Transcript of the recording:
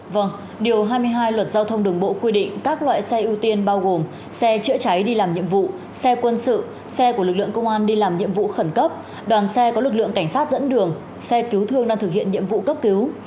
vâng điều hai mươi hai luật giao thông đường bộ quy định các loại xe ưu tiên bao gồm xe chữa cháy đi làm nhiệm vụ xe quân sự xe của lực lượng công an đi làm nhiệm vụ khẩn cấp đoàn xe có lực lượng cảnh sát dẫn đường xe cứu thương đang thực hiện nhiệm vụ cấp cứu